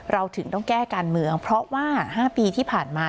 เราถึงต้องแก้การเมืองเพราะว่า๕ปีที่ผ่านมา